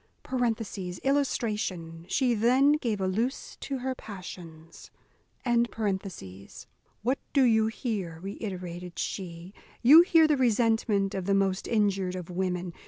[Illustration: She then gave a loose to her passions] "What do you hear?" reiterated she. "You hear the resentment of the most injured of women.